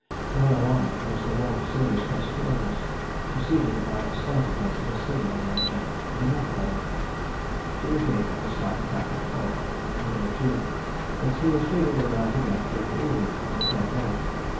More alarming was the one serious case of illness, preceded by a slighter case of a similar nature in another pony. Jimmy Pigg had a slight attack of colic in the middle of June, but he was feeding all right again during the evening of the same day.